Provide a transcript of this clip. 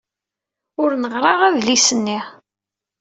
Ur neɣri ara adlis-nni.